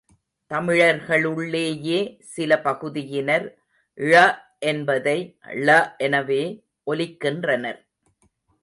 தமிழர்களுள்ளேயே சில பகுதியினர் ழ என்பதை ள எனவே ஒலிக்கின்றனர்.